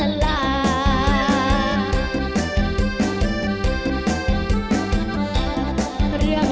มาหลอกรักชักจุงแล้วทำให้เค้ง